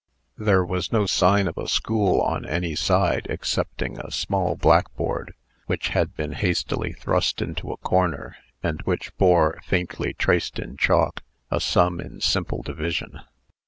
There was no sign of a school or any side, excepting a small blackboard, which had been hastily thrust into a corner, and which bore, faintly traced in chalk, a sum in simple division.